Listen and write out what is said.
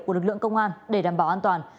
của lực lượng công an để đảm bảo an toàn